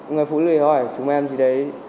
người phụ nữ hỏi chúng em gì đấy